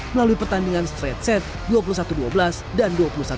melalui pertandingan straight set dua puluh satu dua belas dan dua puluh satu dua belas